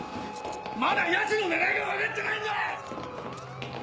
まだヤツの狙いが分かってないんだ！